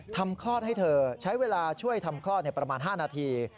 คลอดให้เธอใช้เวลาช่วยทำคลอดประมาณ๕นาที